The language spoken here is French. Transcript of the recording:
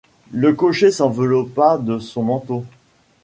Le cocher s’enveloppa de son manteau.